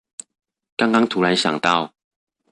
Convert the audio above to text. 剛剛突然想到